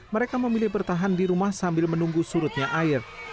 mereka memilih bertahan di rumah sambil menunggu surutnya air